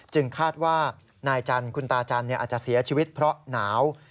คาดว่านายจันทร์คุณตาจันทร์อาจจะเสียชีวิตเพราะหนาว